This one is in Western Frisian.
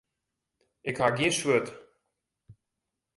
Ik ha gjin swurd.